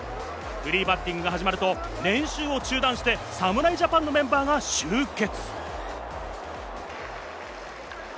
フリーバッティングが始まると、練習を中断して侍ジャパンのメンバーが集結。